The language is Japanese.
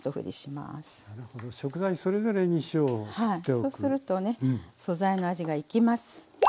そうするとね素材の味が生きます。